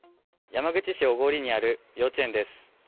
山口市小郡にある幼稚園です。